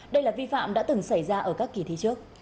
đây là vi phạm đã từng xảy ra ở các kỳ thi trước